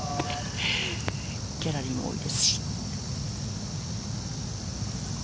ギャラリーも多いですし。